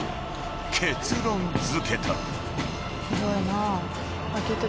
結論付けた］